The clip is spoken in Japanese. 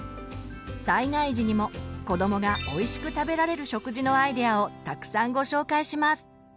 災害時にも子どもがおいしく食べられる食事のアイデアをたくさんご紹介します。